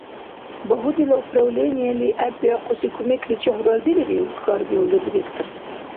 — Багьудила управлениели гӀеббиахъуси кумекличи хӀу разилирив? — хьарбиулра директорлизи.